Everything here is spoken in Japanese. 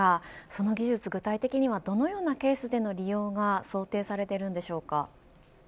その技術具体的にはどのようなケースでの利用が想定されているのでしょうか。